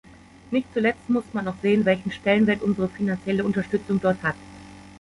Nicht zuletzt muss man auch sehen, welchen Stellenwert unsere finanzielle Unterstützung dort hat.